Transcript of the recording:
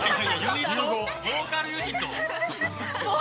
ボーカルユニット？